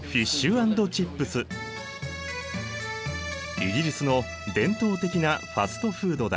イギリスの伝統的なファストフードだ。